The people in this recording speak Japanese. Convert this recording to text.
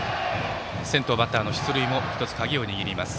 先頭バッターの出塁も鍵を握ります。